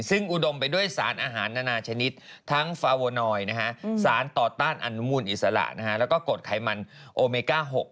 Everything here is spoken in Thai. ซึ่งอุดมไปด้วยสารอาหารนานาชนิดทั้งฟาโวนอยสารต่อต้านอนุมูลอิสระแล้วก็กดไขมันโอเมก้า๖